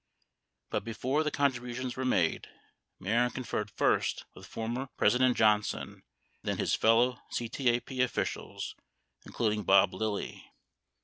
But before the contributions were made, Mehren conferred first with former Presi dent Johnson and then his fellow CTAPE officials, including Bob Lilly.